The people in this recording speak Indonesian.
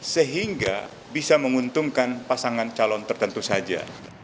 sehingga bisa menguntungkan pasangan calon tertentu saja